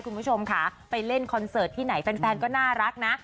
คุณผู้ชมค่ะไปเล่นคอนเสิร์ตที่ไหนแฟนก็น่ารักนะ